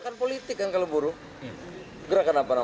memang buruh itu gerakan politik